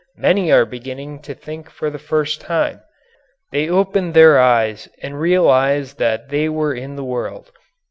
Many are beginning to think for the first time. They opened their eyes and realized that they were in the world.